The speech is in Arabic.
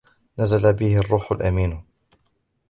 نَزَلَ بِهِ الرُّوحُ الْأَمِينُ